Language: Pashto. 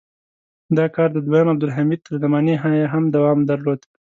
دا کار د دویم عبدالحمید تر زمانې یې هم دوام درلود.